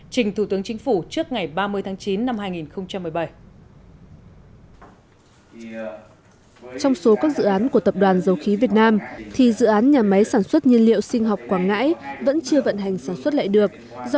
trình thủ tướng chính phủ trước ngày ba mươi tháng chín năm hai nghìn một mươi bảy